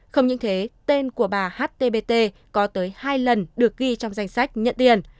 không những thế tên của bà htbt có tới hai lần được ghi trong danh sách nhận tiền